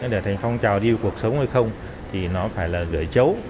để thành phong trào đi cuộc sống hay không thì nó phải là gửi chấu